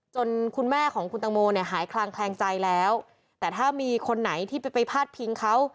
คุณแม่ของคุณตังโมเนี่ยหายคลางแคลงใจแล้วแต่ถ้ามีคนไหนที่ไปพาดพิงเขา